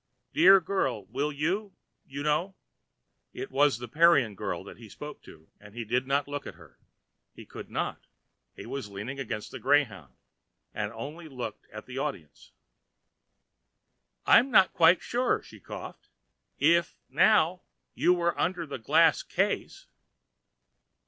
Dear girl, will you?—you know." It was the Parian girl that he spoke to, but he did not look at her; he could not, he was leaning against the greyhound; he only looked at the Audience. "I am not quite sure," she coughed. "If, now, you were under a glass case."